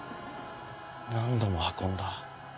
何度も運んだ。